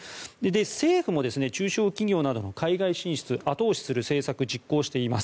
政府も中小企業の海外進出を後押しする政策を実行しています。